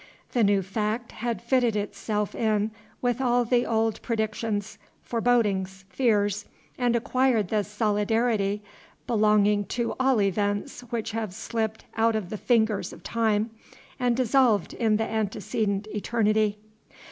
The new fact had fitted itself in with all the old predictions, forebodings, fears, and acquired the solidarity belonging to all events which have slipped out of the fingers of Time and dissolved in the antecedent eternity.